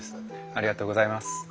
ありがとうございます。